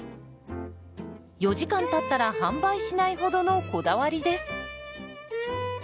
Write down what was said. ４時間たったら販売しないほどのこだわりです。